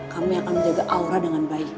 kamu yang akan menjaga aura dengan baik